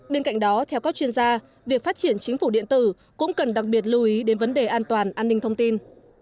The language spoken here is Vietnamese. bên cạnh đó theo các chuyên gia việc phát triển chính phủ điện tử cũng cần đặc biệt lưu ý đến vấn đề an toàn an ninh thông tin